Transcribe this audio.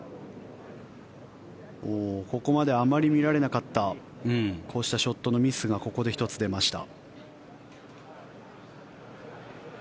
ここまであまり見られなかったこうしたショットのミスがここで１つ出ました。